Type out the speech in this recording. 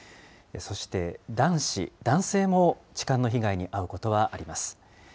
そして男子、男性も痴漢の被害に遭うことはあります。